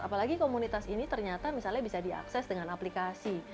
apalagi komunitas ini ternyata misalnya bisa diakses dengan aplikasi